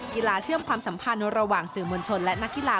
เชื่อมความสัมพันธ์ระหว่างสื่อมวลชนและนักกีฬา